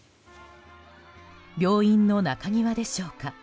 病院の中庭でしょうか。